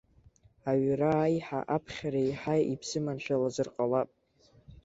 Аҩра аиҳа аԥхьара еиҳа ибзыманшәалазар ҟалап?